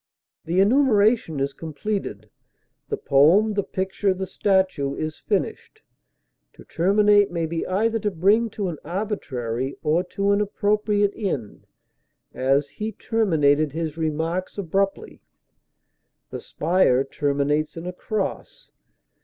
The enumeration is completed; the poem, the picture, the statue is finished. To terminate may be either to bring to an arbitrary or to an appropriate end; as, he terminated his remarks abruptly; the spire terminates in a cross.